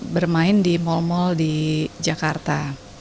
bermain di mal mal di jakarta